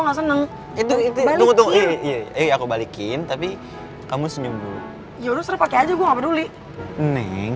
nggak seneng itu itu aku balikin tapi kamu senyum dulu ya udah pakai aja gua peduli neng